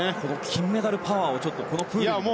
金メダルパワーをこのプールにもね。